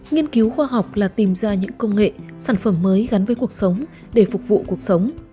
nghiên cứu khoa học là tìm ra những công nghệ sản phẩm mới gắn với cuộc sống để phục vụ cuộc sống